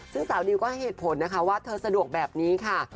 ซึ่งสาวดิวก็ให้เหตุผลนะคะว่าเธอสะดวกแบบนี้ค่ะ